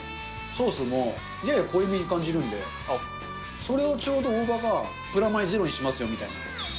ソースもやや濃いめに感じるんで、それをちょうど大葉がプラマイゼロにしますよみたいな。